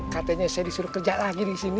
katanya saya disuruh kerja lagi disini